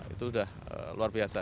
itu sudah luar biasa